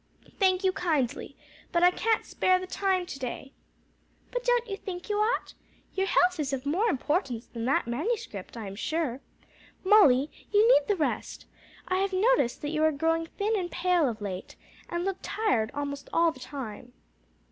"Thank you kindly, but I can't spare the time to day." "But don't you think you ought? Your health is of more importance than that manuscript. I am sure, Molly, you need the rest. I have noticed that you are growing thin and pale of late, and look tired almost all the time."